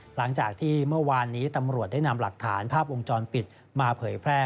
หลังจากที่เมื่อวานนี้ตำรวจได้นำหลักฐานภาพวงจรปิดมาเผยแพร่